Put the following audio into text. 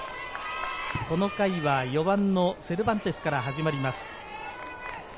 この回は４番のセルバンテスから始まります。